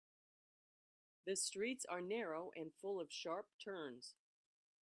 The streets are narrow and full of sharp turns.